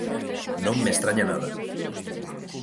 Non me estraña nada.